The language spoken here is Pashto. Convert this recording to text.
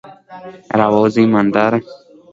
اوبه د فزیکي فعالیت لپاره اړتیا ده